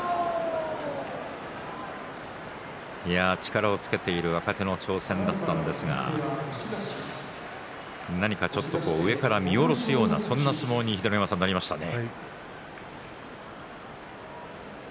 力をつけている若手の挑戦だったんですが何かちょっと上から見下ろすような、そんな相撲になりましたね。